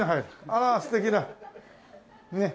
あら素敵なねっ。